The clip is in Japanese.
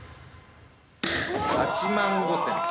８万５，０００。